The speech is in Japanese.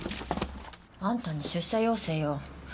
あんたに出社要請よ。